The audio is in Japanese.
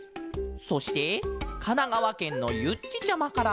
そしてかながわけんのゆっちちゃまからも。